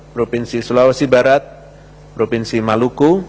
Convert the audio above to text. provinsi sulawesi barat provinsi maluku